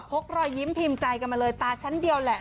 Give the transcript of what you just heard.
กรอยยิ้มพิมพ์ใจกันมาเลยตาชั้นเดียวแหละ